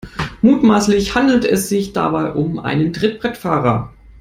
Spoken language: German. Mutmaßlich handelt es sich dabei um einen Trittbrettfahrer.